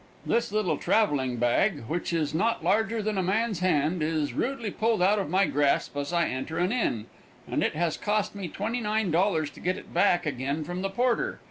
This little traveling bag, which is not larger than a man's hand, is rudely pulled out of my grasp as I enter an inn, and it has cost me $29 to get it back again from the porter.